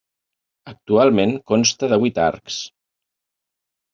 Actualment consta de vuit arcs.